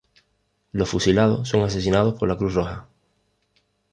Los fusilados son asesinados por la Cruz Roja.